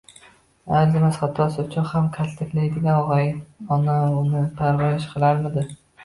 Arzimas xatosi uchun ham kaltaklaydigan o'gay onauni parvarish qilarmidi?!